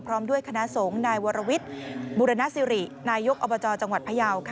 พร้อมด้วยคณะสงฆ์นายวรวิทย์บุรณสิรินายกอบจจังหวัดพยาว